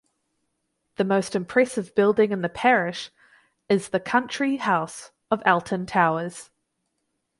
The most impressive building in the parish is the country house of Alton Towers.